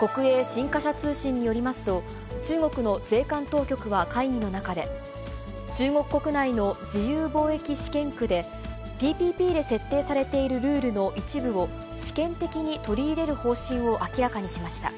国営新華社通信によりますと、中国の税関当局は会議の中で、中国国内の自由貿易試験区で、ＴＰＰで設定されているルールの一部を試験的に取り入れる方針を明らかにしました。